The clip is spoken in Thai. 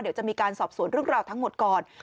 เดี๋ยวจะมีการสอบสวนเรื่องราวทั้งหมดก่อน